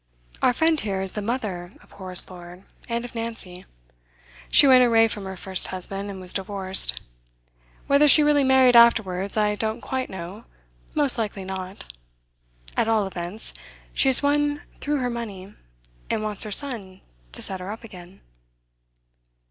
Our friend here is the mother of Horace Lord and of Nancy. She ran away from her first husband, and was divorced. Whether she really married afterwards, I don't quite know; most likely not. At all events, she has run through her money, and wants her son to set her up again.